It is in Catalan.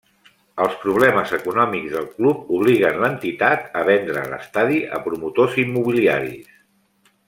Els problemes econòmics del club obliguen l'entitat a vendre l'estadi a promotors immobiliaris.